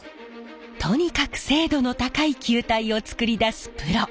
とにかく精度の高い球体を作り出すプロ。